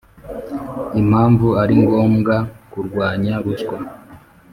Impamvu ari ngombwa kurwanya ruswa,